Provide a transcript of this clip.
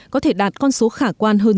có thể đạt con số khả quan hơn hai mươi